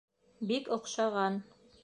Бик оҡшаған.